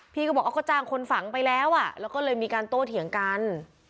พี่ก็บอกเอาก็จ้างคนฝังไปแล้วอ่ะแล้วก็เลยมีการโต้เถียงกัน